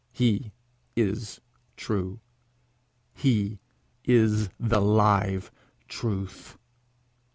He is true; he is the live Truth.